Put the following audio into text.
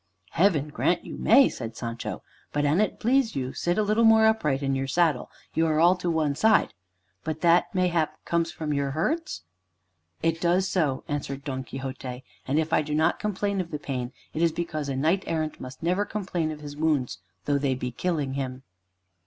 "Heaven grant you may!" said Sancho. "But, an' it please you, sit a little more upright in your saddle; you are all to one side. But that, mayhap, comes from your hurts?" "It does so," answered Don Quixote, "and if I do not complain of the pain, it is because a knight errant must never complain of his wounds, though they be killing him."